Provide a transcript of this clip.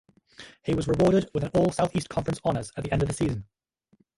He was rewarded with an All-Southeast Conference honors at the end of the season.